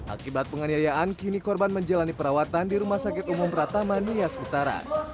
akibat penganiayaan kini korban menjalani perawatan di rumah sakit umum pratama nias utara